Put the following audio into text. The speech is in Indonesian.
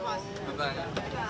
oh dia ya